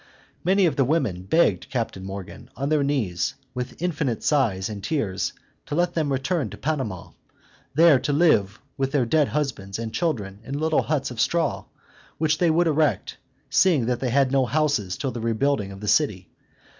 Many of the women begged Captain Morgan, on their knees, with infinite sighs and tears, to let them return to Panama, there to live with their dear husbands and children in little huts of straw, which they would erect, seeing they had no houses till the rebuilding of the city.